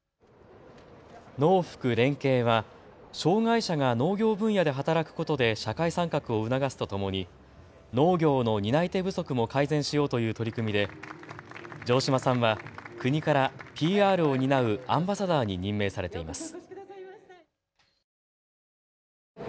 農福連携は障害者が農業分野で働くことで社会参画を促すとともに農業の担い手不足も改善しようという取り組みで城島さんは国からＰＲを担うアンバサダーに任命されています。